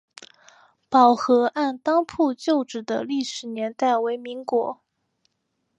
宝和按当铺旧址的历史年代为民国。